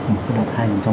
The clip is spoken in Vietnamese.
một cái đợt hay trong